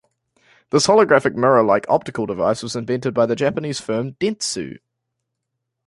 This holographic mirror-like optical device was invented by the Japanese firm Dentsu.